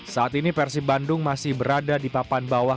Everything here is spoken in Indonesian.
saat ini persib bandung masih berada di papan bawah